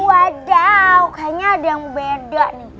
waduh kayaknya ada yang beda nih